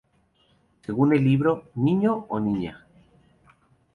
Según el libro "¿Niño o niña?